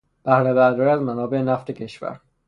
بهره برداری از منابع نفت کشور